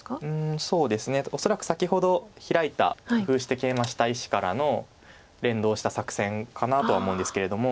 そうですね恐らく先ほどヒラいた工夫してケイマした石からの連動した作戦かなとは思うんですけれども。